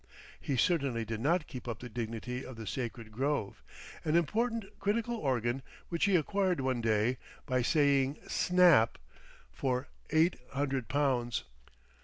He certainly did not keep up the dignity of the Sacred Grove, an important critical organ which he acquired one day—by saying "snap"—for eight hundred pounds.